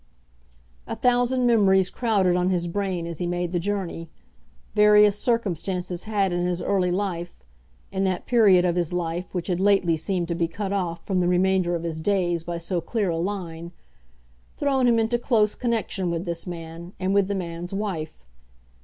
A thousand memories crowded on his brain as he made the journey. Various circumstances had in his early life, in that period of his life which had lately seemed to be cut off from the remainder of his days by so clear a line, thrown him into close connection with this man, and with the man's wife.